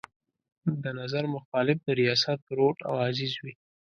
د نظر مخالف د ریاست ورور او عزیز وي.